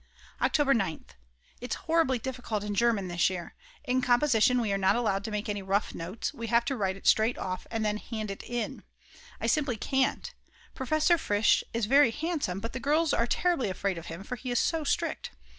October 9th. It's horribly difficult in German this year. In composition we are not allowed to make any rough notes, we have to write it straight off and then hand it in. I simply can't. Professor Fritsch is very handsome, but the girls are terribly afraid of him for he is so strict.